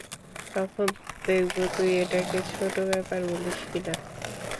তখন দেখবো তুই এটাকে ছোটো ব্যাপার বলিস কিনা!